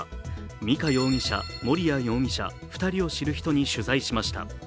美香容疑者、盛哉容疑者、２人を知る人に取材しました。